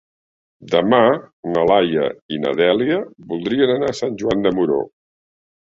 Demà na Laia i na Dèlia voldrien anar a Sant Joan de Moró.